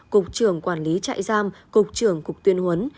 cục trưởng quản lý trại giam cục trưởng cục tuyên huấn